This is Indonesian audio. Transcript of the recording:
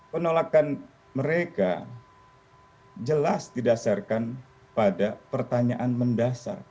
penolakan mereka jelas didasarkan pada pertanyaan mendasar